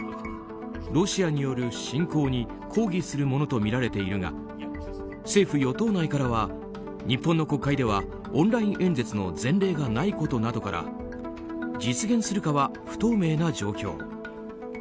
ロシアによる侵攻に抗議するものとみられているが政府・与党内からは日本の国会ではオンライン演説の前例がないことなどから実現するかは不透明な状況。